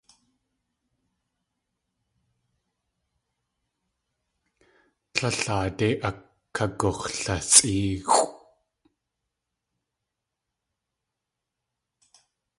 Tlél aadé akagux̲lasʼéexʼw.